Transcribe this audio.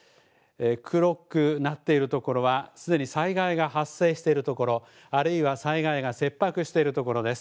黒くなっている所は、すでに災害が発生している所、あるいは災害が切迫している所です。